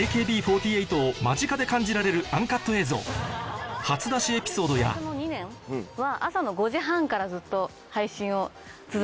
ＡＫＢ４８を間近で感じられるアンカット映像初出しエピソードや最初の２年は朝の５時半からずっと配信を続けていました。